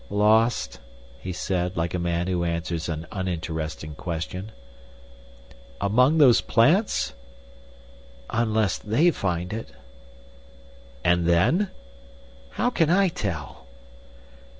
"Lost," he said, like a man who answers an uninteresting question. "Among those plants?" "Unless they find it." "And then?" "How can I tell?"